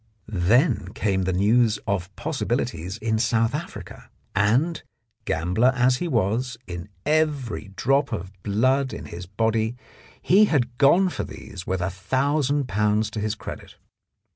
Then came the news of possibilities in South Africa, and, gambler as he was in every drop of blood 29 The Blackmailer of Park Lane in his body, he had gone for these with a thousand pounds to his credit.